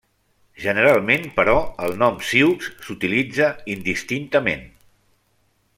Generalment, però, el nom 'sioux' s'utilitza indistintament.